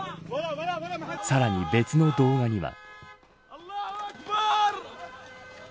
さらに別の動画には。